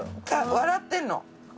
笑ってるの。